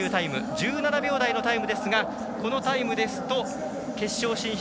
１７秒台のタイムですがこのタイムですと決勝進出